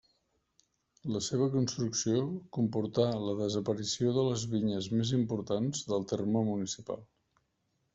La seva construcció comportà la desaparició de les vinyes més importants del terme municipal.